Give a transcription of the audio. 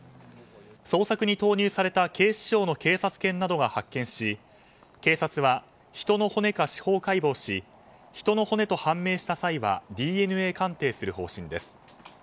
捜索に投入された警視庁の警察犬などが発見し警察は人の骨か司法解剖し人の骨と判明した際はＤＮＡ鑑定する方針です。